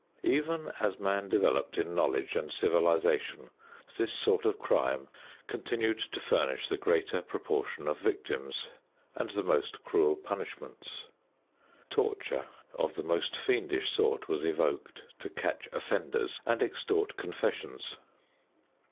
Even as man developed in knowledge and civilization, this sort of crime continued to furnish the greater proportion of victims and the most cruel punishments. Torture of the most fiendish sort was evoked to catch offenders and extort confessions.